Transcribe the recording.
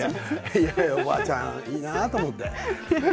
おばあちゃん、いいなと思って。